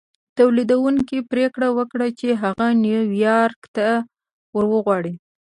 توليدوونکي پرېکړه وکړه چې هغه نيويارک ته ور وغواړي.